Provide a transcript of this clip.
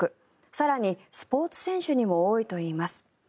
更に、スポーツ選手にも多いといいます。